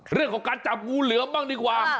เรื่องของการจับงูเหลือมบ้างดีกว่า